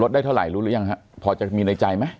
ได้เท่าไหร่รู้หรือยังฮะพอจะมีในใจไหม